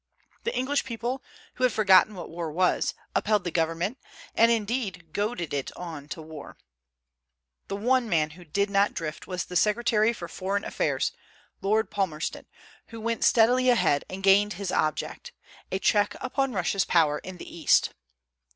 The English people, who had forgotten what war was, upheld the government, and indeed goaded it on to war. The one man who did not drift was the secretary for foreign affairs, Lord Palmerston, who went steadily ahead, and gained his object, a check upon Russia's power in the East.